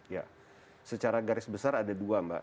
ya secara garis besar ada dua mbak